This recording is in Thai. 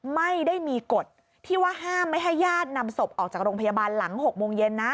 ไม่ได้มีกฎที่ว่าห้ามไม่ให้ญาตินำศพออกจากโรงพยาบาลหลัง๖โมงเย็นนะ